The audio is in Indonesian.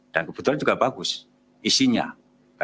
dan kebetulan juga bagus isinya